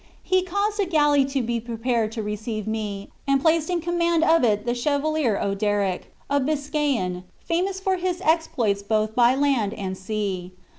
He caused a galley to be prepared to receive me, and placed in command of it the chevalier Oderic, a Biscayan, famous for his exploits both by land and sea.